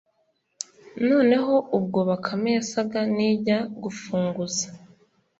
noneho ubwo bakame yasaga nijya gufunguza.